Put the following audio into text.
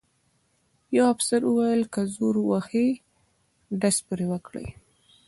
یوه افسر وویل: که زور وهي ډز پرې وکړئ.